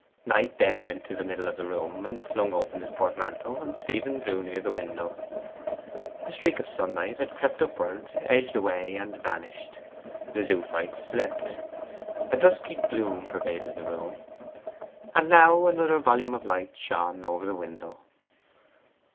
Knight then went to the middle of the room and flung open his portmanteau, and Stephen drew near the window. The streak of sunlight had crept upward, edged away, and vanished; the zoophytes slept: a dusky gloom pervaded the room. And now another volume of light shone over the window.